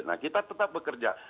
nah kita tetap bekerja